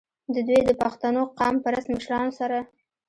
د دوي د پښتنو قام پرست مشرانو سره